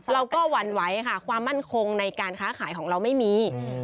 หวั่นไหวค่ะความมั่นคงในการค้าขายของเราไม่มี